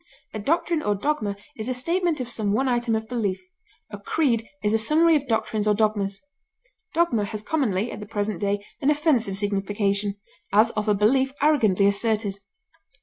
A doctrine or dogma is a statement of some one item of belief; a creed is a summary of doctrines or dogmas. Dogma has commonly, at the present day, an offensive signification, as of a belief arrogantly asserted.